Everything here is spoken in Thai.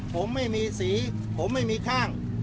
ผมไม่มีสีผมไม่มีข้าง